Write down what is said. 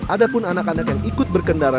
ada pun anak anak yang ikut berkendara